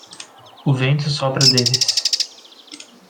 O vento sopra deles